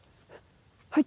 はい。